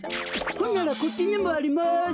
ほんならこっちにもあります。